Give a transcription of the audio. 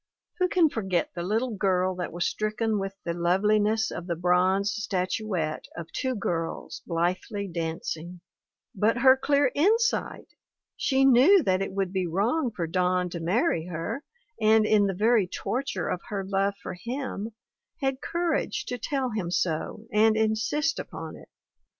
Who can forget the little girl that was stricken with the loveliness of the bronze statuette of two girls blithely dancing? But her clear insight! She knew that it would be wrong for Don to marry her and, in the very torture of her love for him, had courage to tell him so and insist upon it.